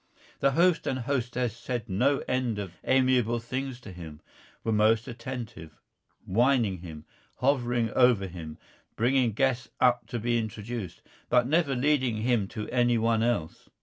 The host and hostess said no end of amiable things to him, were most attentive, wining him, hovering over him, bringing guests up to be introduced, but never leading him to any one else.